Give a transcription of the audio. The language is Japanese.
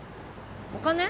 お金？